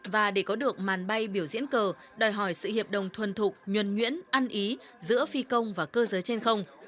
và để có được màn bay biểu diễn cờ đòi hỏi sự hiệp đồng thuần thục nhuần nhuyễn ăn ý giữa phi công và cơ giới trên không